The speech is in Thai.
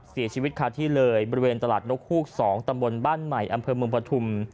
เสียชีวิตคาที่เลยบริเวณตลาดนกฮูก๒ตำบลบ้านใหม่อำเภอเมืองปฐุม